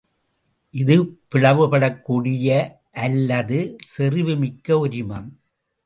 இது பிளவுபடக்கூடிய அல்லது செறிவு மிக்க ஒரிமம்.